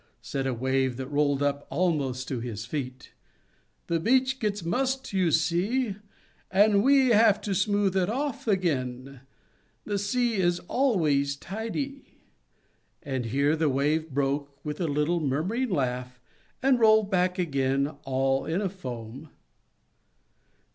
said a Wave that rolled almost up to his feet. "The beach gets mussed, you see, and we have to smooth it off again. The sea is always tidy;" and here the Wave broke with a little, murmuring laugh, and rolled back again, all in a foam.